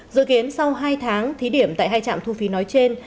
dự kiến sau hai tháng thí điểm tại hai trạm thu phí nói trên